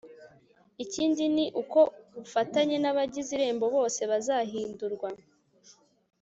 ikindi ni uko ku bufatanye n abagize irembo bose bazahindurwa